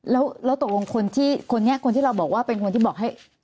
แล้วตกลงคนที่เราบอกว่าเป็นคนที่บอกให้